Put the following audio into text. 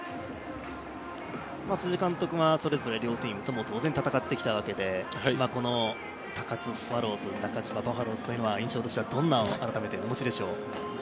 辻監督はそれぞれ両チームとも当然戦ってきたわけで高津スワローズ、中嶋バファローズ印象としてはどんなものを改めてお持ちでしょう。